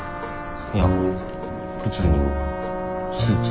いや普通にスーツ。